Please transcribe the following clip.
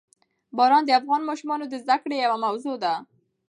باران د افغان ماشومانو د زده کړې یوه موضوع ده.